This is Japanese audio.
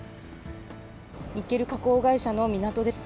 ニッケル加工会社の港です。